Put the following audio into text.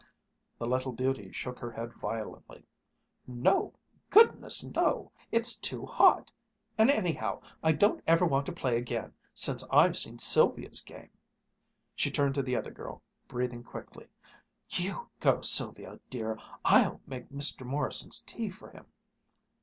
The little beauty shook her head violently. "No ... goodness no! It's too hot. And anyhow, I don't ever want to play again, since I've seen Sylvia's game." She turned to the other girl, breathing quickly. "You go, Sylvia dear. I'll make Mr. Morrison's tea for him."